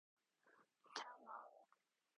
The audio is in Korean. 참아.